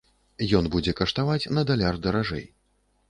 Ён будзе каштаваць на даляр даражэй.